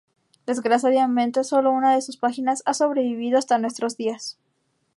Desgraciadamente solo una de sus páginas ha sobrevivido hasta nuestros días.